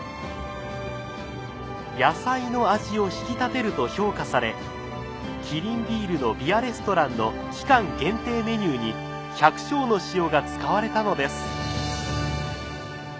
野菜の味を引き立てると評価されキリンビールのビアレストランの期間限定メニューに百笑の塩が使われたのです。